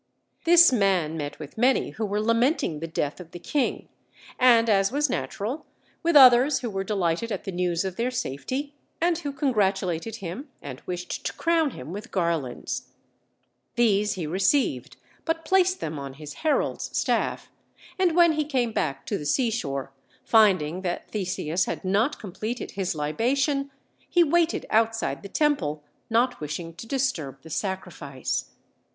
This man met with many who were lamenting the death of the king, and, as was natural, with others who were delighted at the news of their safety, and who congratulated him and wished to crown him with garlands. These he received, but placed them on his herald's staff, and when he came back to the seashore, finding that Theseus had not completed his libation, he waited outside the temple, not wishing to disturb the sacrifice.